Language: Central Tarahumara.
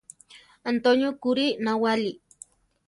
Antonio kurí nawáli.